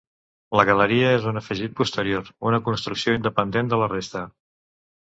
La galeria és un afegit posterior, una construcció independent de la resta.